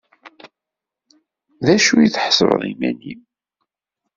D acu i tḥesbeḍ iman-im?